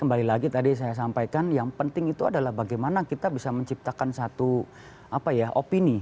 kembali lagi tadi saya sampaikan yang penting itu adalah bagaimana kita bisa menciptakan satu opini